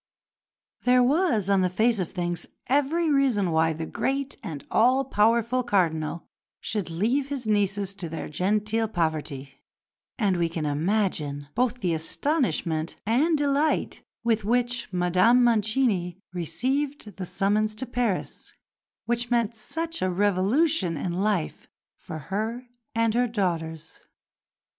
There was, on the face of things, every reason why the great and all powerful Cardinal should leave his nieces to their genteel poverty; and we can imagine both the astonishment and delight with which Madame Mancini received the summons to Paris which meant such a revolution in life for her and her daughters.